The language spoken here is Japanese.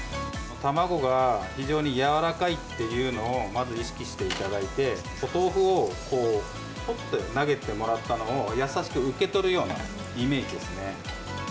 卵が非常に柔らかいっていうのをまず意識していただいて、お豆腐をぽって投げてもらったのを、優しく受け取るようなイメージですね。